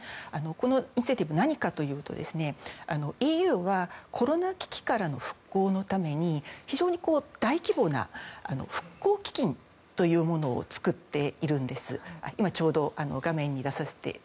このインセンティブは何かといいますとＥＵはコロナ危機からの復興のために非常に大規模な復興基金というものを作っているんです。